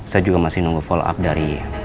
saya juga masih nunggu follow up dari